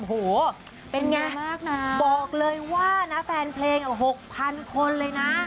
หูเป็นอย่างไรบอกเลยว่านะแฟนเพลง๖๐๐๐คนเลยนะ